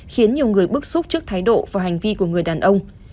khiến nhiều người bức xúc trước thái độ và hành vi của người đàn ông